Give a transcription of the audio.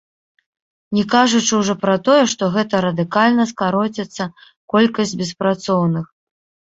Не кажучы ўжо пра тое, што гэта радыкальна скароціцца колькасць беспрацоўных.